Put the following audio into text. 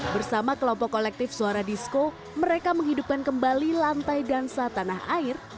bersama kelompok kolektif suara disco mereka menghidupkan kembali lantai dansa tanah air